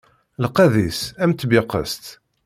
Lqedd-is am tbiqest.